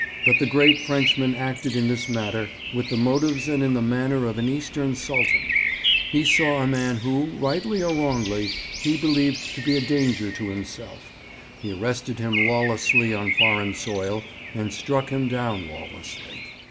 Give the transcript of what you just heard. But the great Frenchman acted in this matter with the motives and in the manner of an Eastern Sultan. He saw a man whom, rightly or wrongly, he believed to be a danger to himself; he arrested him lawlessly on foreign soil, and struck him down lawlessly.